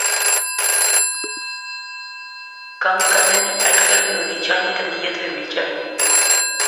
کم کرنے نی اٹکل وہ ہونی چائینی تے نیت وی ہونی چائینی